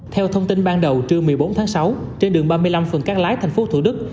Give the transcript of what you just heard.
theo thông tin ban đầu trưa một mươi bốn tháng sáu trên đường ba mươi năm phần cát lái tp hcm